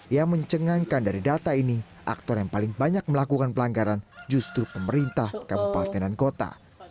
yang mencengangkan dari data ini aktor yang paling banyak melakukan pelanggaran justru pemerintah kabupaten dan kota